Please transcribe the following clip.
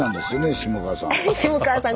下川さん